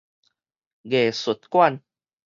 藝術館